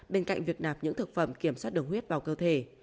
bên cạnh việc nạp những thực phẩm kiểm soát đường huyết vào cơ thể